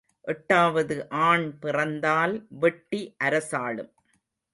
எட்டாவது ஆண் பிறந்தால் வெட்டி அரசாளும்.